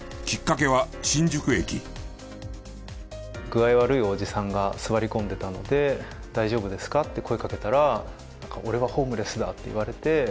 具合悪いおじさんが座り込んでいたので「大丈夫ですか？」って声かけたら「俺はホームレスだ」って言われて。